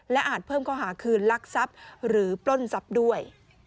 อาจเพิ่มข้อหาคืนลักทรัพย์หรือปล้นทรัพย์ด้วย